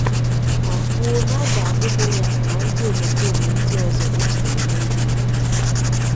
ma kwuo na a ga-akpụpụ ya na ndị omekoome ndị ọzọ e jidere ụlọikpe